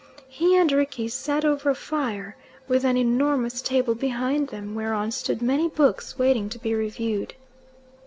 He and Rickie sat over a fire, with an enormous table behind them whereon stood many books waiting to be reviewed.